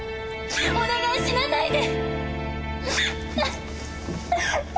お願い死なないで！